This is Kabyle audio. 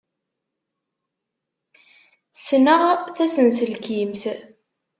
Ssneɣ tasenselkimt.